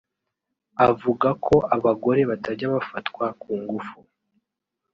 avuga ko abagore batajya bafatwa ku ngufu